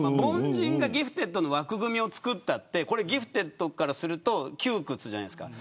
凡人がギフテッドの枠組みを作ったってギフテッドからすると窮屈じゃないですか。